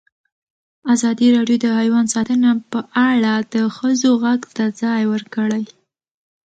ازادي راډیو د حیوان ساتنه په اړه د ښځو غږ ته ځای ورکړی.